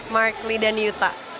mark lee dan yuta